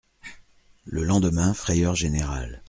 Le lendemain, frayeur générale.